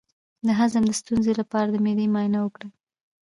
د هضم د ستونزې لپاره د معدې معاینه وکړئ